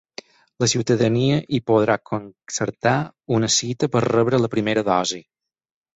La ciutadania hi podrà concertar una cita per rebre la primera dosi.